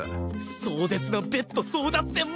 壮絶なベッド争奪戦問題！